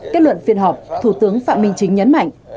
kết luận phiên họp thủ tướng phạm minh chính nhấn mạnh